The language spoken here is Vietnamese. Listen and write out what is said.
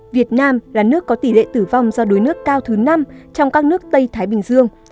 việt nam là nước có tỷ lệ tử vong do đuối nước cao thứ năm trong các nước tây thái bình dương